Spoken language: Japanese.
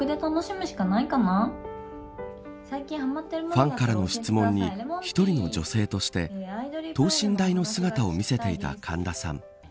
ファンからの質問に一人の女性として等身大の姿を見せていた神田さん。